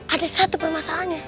ada satu permasalahnya